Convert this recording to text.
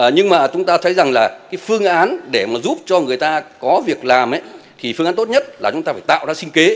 nhưng mà chúng ta thấy rằng là cái phương án để mà giúp cho người ta có việc làm thì phương án tốt nhất là chúng ta phải tạo ra sinh kế